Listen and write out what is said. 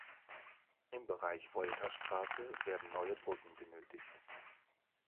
Im Bereich Voltastraße werden neue Brücken benötigt.